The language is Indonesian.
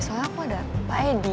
soalnya aku udah pak edi